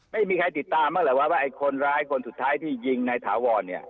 ไม่มีใครติดตามบ้างแหละว่าไอ้คนร้ายคนสุดท้ายที่ยิงในถาวรเนี่ย